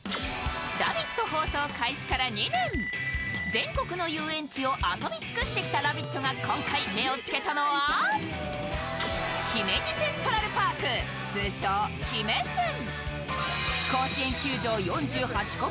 全国の遊園地を遊び尽くしてきた「ラヴィット！」が今回、目をつけたのが姫路セントラルパーク通称・姫セン。